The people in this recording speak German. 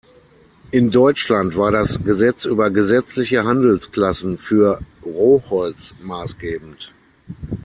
In Deutschland war das "Gesetz über gesetzliche Handelsklassen für Rohholz" maßgebend.